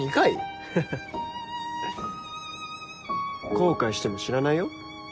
後悔しても知らないよ？